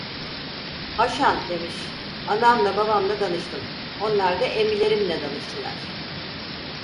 'Haşan!' demiş, 'Anamla, babamla danıştım; onlar da emmilerimle danıştılar.